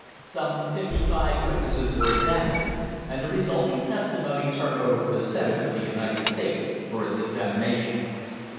Some fifty five witnesses were examined, and the resulting testimony turned over to the Senate of the United States for its examination.